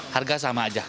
harga sama saja